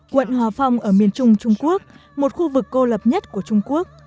quận hòa phong ở miền trung trung quốc một khu vực cô lập nhất của trung quốc